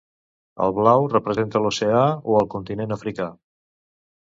El blau representa l'oceà o el continent africà.